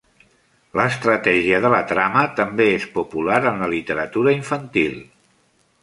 L'estratègia de la trama també és popular en la literatura infantil.